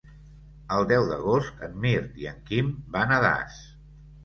El deu d'agost en Mirt i en Quim van a Das.